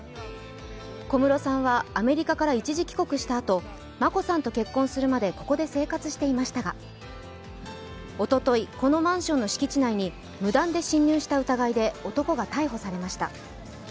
小室さんはアメリカから一時帰国したあと眞子さんと結婚するまでここで生活していましたがおととい、このマンションの敷地内に無断で侵入した疑いで男が逮捕されました。